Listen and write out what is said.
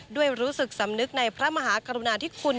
ด้วยรู้สึกสำนึกในพระมหากรุณาธิคุณ